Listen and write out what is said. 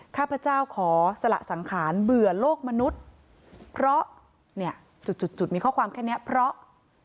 ข้าพเจ้าขอสละสังขารเบื่อโลกมนุษย์เพราะเนี่ยจุดจุดมีข้อความแค่นี้เพราะ